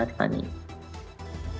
terima kasih mbak rani